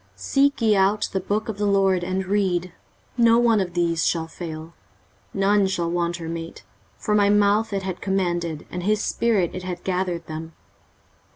23:034:016 Seek ye out of the book of the LORD, and read: no one of these shall fail, none shall want her mate: for my mouth it hath commanded, and his spirit it hath gathered them.